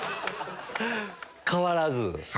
変わらず？